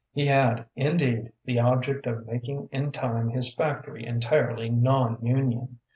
He had, indeed, the object of making in time his factory entirely non union.